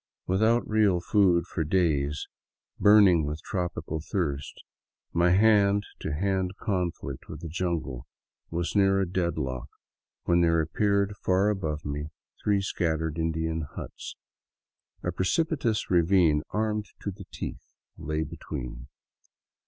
Without real food for days, burning with tropical thirst, my hand to hand conflict with the jungle was near a dead lock when there appeared far above me three scattered Indian huts. A precipitous ravine, armed to the teeth, lay between.